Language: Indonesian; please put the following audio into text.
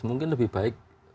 mungkin lebih baik